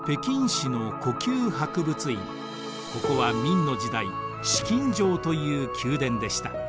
ここは明の時代紫禁城という宮殿でした。